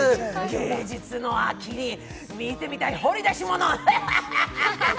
芸術の秋に見てみたい掘り出し物、ヒャハハハハハ